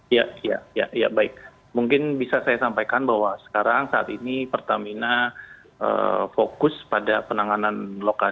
ya baik mungkin bisa saya sampaikan bahwa sekarang saat ini pertamina fokus pada penanganan lokal